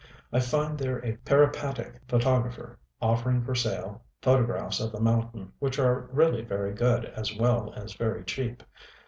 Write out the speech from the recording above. I find there a peripatetic photographer offering for sale photographs of the mountain which are really very good as well as very cheap....